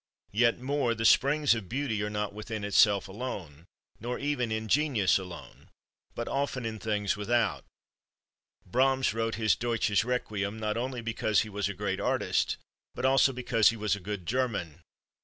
Yet more, the springs of beauty are not within itself alone, nor even in genius alone, but often in things without. Brahms wrote his Deutsches Requiem, not only because he was a great artist, but also because he was a good German.